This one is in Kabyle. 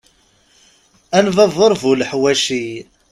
A lbabur bu leḥwaci!